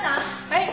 はい。